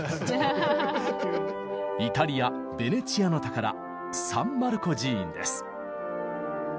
イタリアベネチアの宝サン・マルコ寺院です。